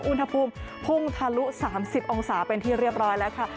อุณหภูมิพุ่งทะลุ๓๐องศาเป็นที่เรียบร้อยแล้วค่ะ